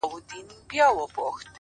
زما د تصور لاس گراني ستا پر ځــنگانـه.